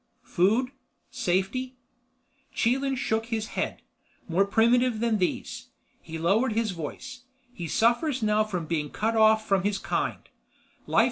"Food? Safety?" Chelan shook his head. "More primitive than these." He lowered his voice. "He suffers now from being cut off from his kind.